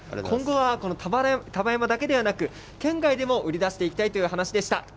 今後は、この丹波山だけでなく、県外でも売り出していきたいという話でした。